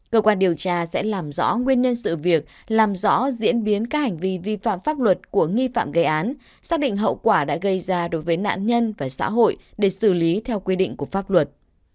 cơ quan điều tra sẽ làm rõ nguyên nhân sự việc làm rõ diễn biến các hành vi vi phạm pháp luật của nghi phạm gây án xác định hậu quả đã gây ra đối với nạn nhân và xã hội để xử lý theo quy định của pháp luật